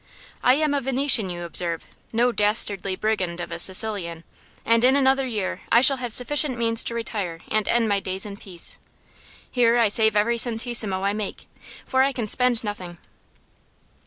I am a Venetian, you observe; no dastardly brigand of a Sicilian. And in another year I shall have sufficient means to retire and end my days in peace. Here I save every centessimo I make, for I can spend nothing."